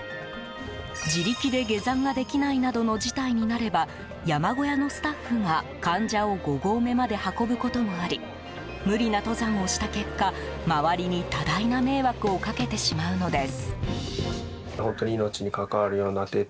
自力で下山ができないなどの事態になれば山小屋のスタッフが患者を５合目まで運ぶこともあり無理な登山をした結果周りに多大な迷惑をかけてしまうのです。